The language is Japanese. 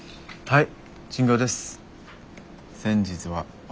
はい。